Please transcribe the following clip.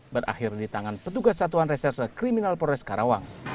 berakhir di tangan petugas satuan reserse kriminal polres karawang